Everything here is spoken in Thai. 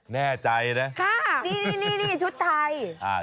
นี่ชุดไทย